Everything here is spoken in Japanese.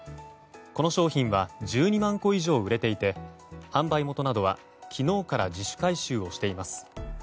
この商品は１２万個以上売れていて販売元などは昨日から自主回収をしています。